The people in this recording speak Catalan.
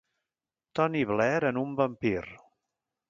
Torna Blair en un vampir.